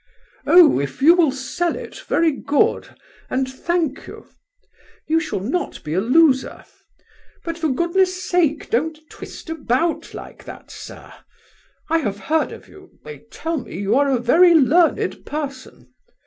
"Oh! if you will sell it, very good—and thank you. You shall not be a loser! But for goodness' sake, don't twist about like that, sir! I have heard of you; they tell me you are a very learned person.